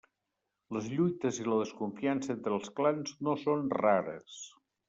Les lluites i la desconfiança entre els clans no són rares.